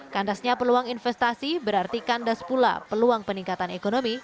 kandasnya peluang investasi berarti kandas pula peluang peningkatan ekonomi